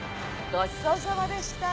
ごちそうさまでした。